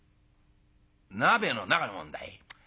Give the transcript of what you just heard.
鍋の中のもんだい。